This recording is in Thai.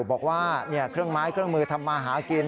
บอกว่าเครื่องไม้เครื่องมือทำมาหากิน